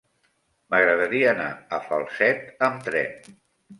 M'agradaria anar a Falset amb tren.